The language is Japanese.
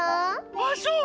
あっそう？